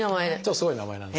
すごい名前なんですけど。